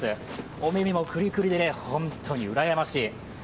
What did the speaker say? お目々もくりくりで、本当にうらやましい。